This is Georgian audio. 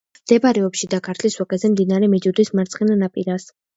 მდებარეობს შიდა ქართლის ვაკეზე, მდინარე მეჯუდის მარცხენა ნაპირას.